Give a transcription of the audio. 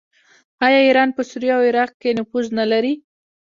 آیا ایران په سوریه او عراق کې نفوذ نلري؟